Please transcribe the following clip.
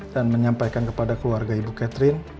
dan menyampaikan kepada keluarga ibu catherine